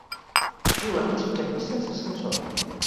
Viu en un cinquè pis sense ascensor.